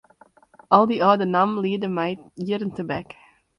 Al dy âlde nammen liede my jierren tebek.